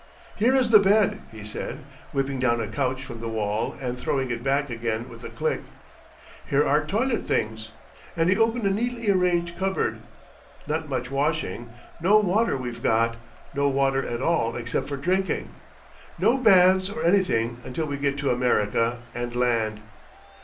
"Here is the bed," he said, whipping down a couch from the wall and throwing it back again with a click. "Here are toilet things," and he opened a neatly arranged cupboard. "Not much washing. No water we've got; no water at all except for drinking. No baths or anything until we get to America and land.